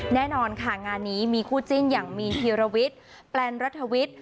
แน่นอนค่ะงานนี้มีคู่จิ้นอย่างมีนธีรวิทย์แปลนรัฐวิทย์